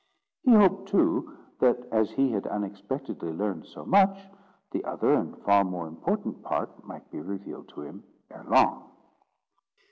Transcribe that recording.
He hoped, too, that as he had unexpectedly learned so much, the other and far more important part might be revealed to him ere long.